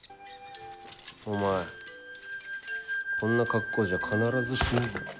お前、そんな格好じゃ、必ず死ぬぞ。